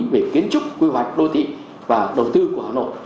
và đầu tư của hà nội